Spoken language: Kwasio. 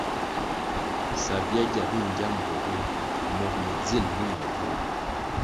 Sabyagya bi ngya mbpuogu mogo me dzil numa vur.